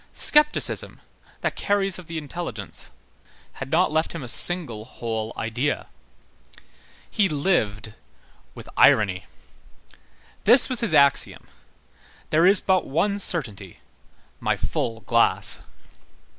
Scepticism, that caries of the intelligence, had not left him a single whole idea. He lived with irony. This was his axiom: "There is but one certainty, my full glass."